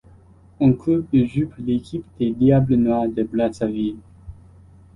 En club, il joue pour l'équipe des Diables noirs de Brazzaville.